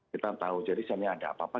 kita tahu jadi misalnya ada apa apa